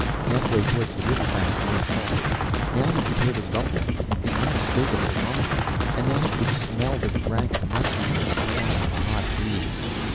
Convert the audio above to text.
Halfway towards the river bank, Mike halted. Now he could hear the rumbling, the unmistakable rumbling. And now he could smell the rank mustiness borne on the hot breeze.